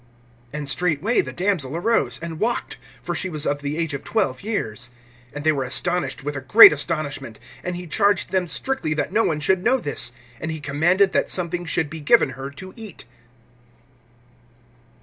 (42)And straightway the damsel arose, and walked; for she was of the age of twelve years. And they were astonished with a great astonishment. (43)And he charged them strictly that no one should know this. And he commanded that something should be given her to eat.